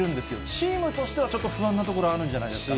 チームとしてはちょっと不安なところあるんじゃないですかね。